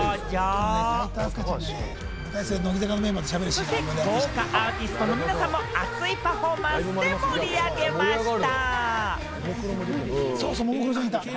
そして、豪華アーティストの皆さんの熱いパフォーマンスで盛り上げました。